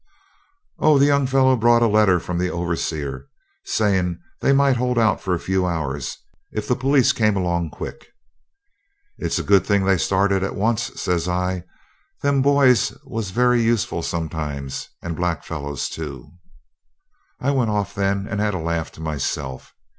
'Oh, the young fellow brought a letter from the overseer, saying they might hold out for a few hours, if the police came along quick.' 'It's a good thing they started at once,' says I. 'Them boys are very useful sometimes, and blackfellows too.' I went off then, and had a laugh to myself.